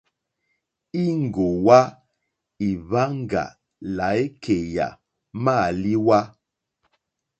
Íŋgòwá íhwáŋgà lǎkèyà mâlíwà.